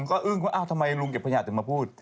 ก็อึ้งว่าทำไมลุงเก็บขยะจะมาพูด